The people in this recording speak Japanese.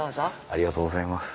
ありがとうございます。